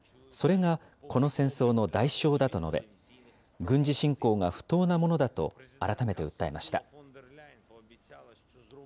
それがこの戦争の代償だと述べ、軍事侵攻が不当なものだと改めて訴えました。